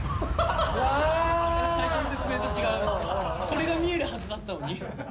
最初の説明と違うこれが見えるはずだったのに。